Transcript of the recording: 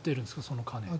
その金を。